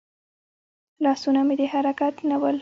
لاسونه مې د حرکت نه ول.